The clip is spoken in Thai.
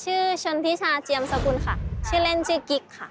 ชื่อชนธิชาเจียมสคุณค่ะชื่อเล่นน์ชื่อกิ๊กค่ะ